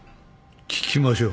聞きましょう。